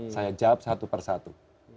saya jawab satu per satu